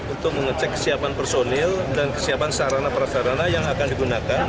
untuk mengecek kesiapan personil dan kesiapan sarana prasarana yang akan digunakan